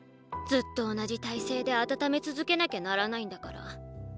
ずっと同じ体勢で温め続けなきゃならないんだから。